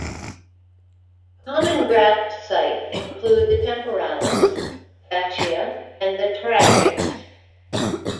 Common graft sites include the temporalis fascia and the tragus.